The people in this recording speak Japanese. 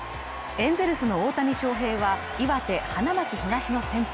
エンゼルスの大谷翔平は岩手・花巻東の先輩